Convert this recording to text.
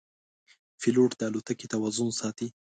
پیلوټ د الوتکې توازن ساتي.